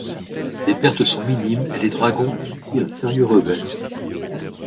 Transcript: Les pertes sont minimes et les Dragons ont subi un sérieux revers.